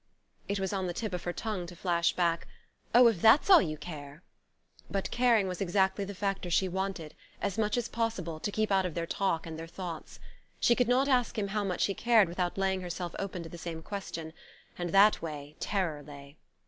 It was on the tip of her tongue to flash back: "Oh, if that's all you care !" But caring was exactly the factor she wanted, as much as possible, to keep out of their talk and their thoughts. She could not ask him how much he cared without laying herself open to the same question; and that way terror lay.